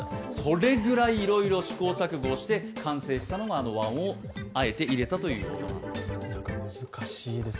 それぐらいいろいろ試行錯誤をして完成したのはあの和音をあえて入れたという音なんだそうです。